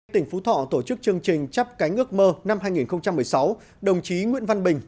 tỉnh phú thọ tổ chức chương trình chắp cánh ước mơ năm hai nghìn một mươi sáu đồng chí nguyễn văn bình